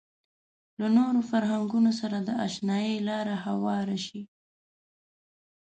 له نورو فرهنګونو سره د اشنايي لاره هواره شي.